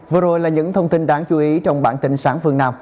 vừa rồi là những thông tin đáng chú ý trong bản tin sáng phương nam